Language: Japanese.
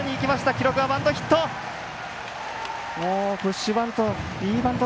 記録はバントヒット。